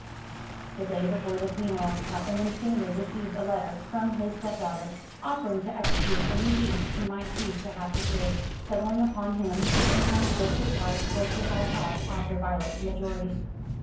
The day before the funeral Captain Winstanley received a letter from his stepdaughter, offering to execute any deed he might choose to have prepared, settling upon him the income which his wife was to have had after Violet's majority.